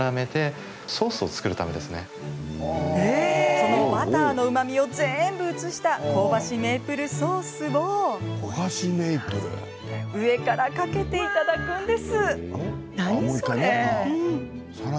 そのバターのうまみを全部移した香ばしメープルソースを上からかけて、いただくんです。